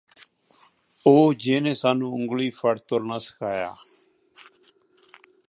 ਉਹ ਜੀਹਨੇ ਸਾਨੂੰ ਉਂਗਲੀ ਫੜ੍ਹ ਤੁਰਨਾ ਸਿਖਾਇਐ